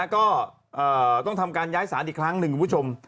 ก็ต้องทำการย้ายศาลอีกครั้งหนึ่งคุณผู้ชม